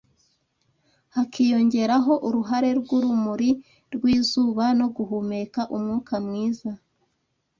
hakiyongeraho uruhare rw’urumuri rw’izuba no guhumeka umwuka mwiza